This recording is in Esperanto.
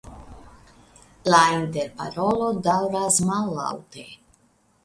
La interparolo daŭras mallaŭte.